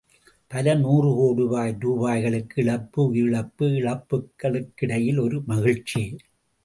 பல நூறு கோடி ரூபாய்களுக்கு இழப்பு உயிரிழப்பு இழப்புகளுக்கிடையில் ஒரு மகிழ்ச்சி.